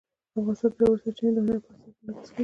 افغانستان کې ژورې سرچینې د هنر په اثار کې منعکس کېږي.